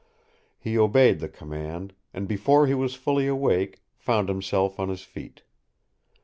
He obeyed the command, and before he was fully awake, found himself on his feet.